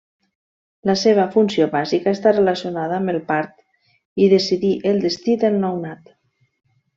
La seva funció bàsica està relacionada amb el part i decidir el destí del nounat.